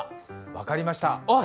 分かりました。